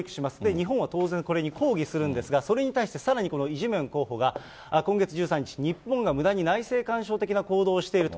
日本は当然、これに抗議するんですが、それに対して、さらにこのイ・ジェミョン候補が今月１３日、日本がむだに内政干渉的な行動をしていると。